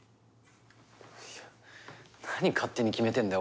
いやなに勝手に決めてんだよ？